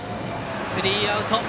スリーアウト。